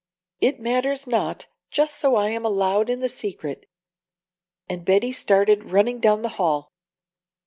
It matters not just so I am allowed in the secret." And Betty started running down the hall.